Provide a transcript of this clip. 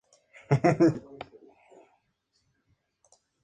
Los temas originales de Powell fueron.